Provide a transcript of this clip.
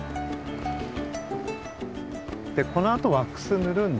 このあとワックスぬるんで。